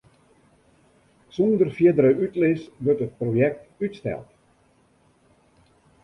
Sûnder fierdere útlis wurdt it projekt útsteld.